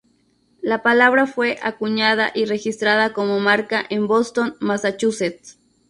La palabra fue acuñada y registrada como marca en Boston, Massachusetts.